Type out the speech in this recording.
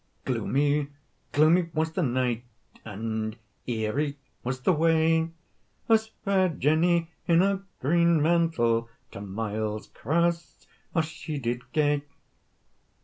Gloomy, gloomy was the night, And eerie was the way, As fair Jenny in her green mantle To Miles Cross she did gae.